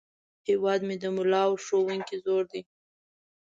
هیواد مې د ملا او ښوونکي زور دی